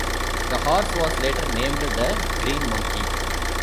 The horse was later named The Green Monkey.